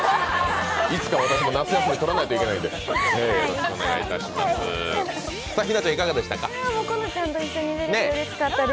いつか私も夏休みを取らないといけないんで。